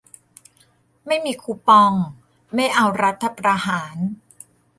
ไม่มีคูปองไม่เอารัฐประหาร